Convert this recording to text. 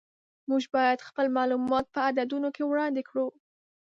موږ باید خپل معلومات په عددونو کې وړاندې کړو.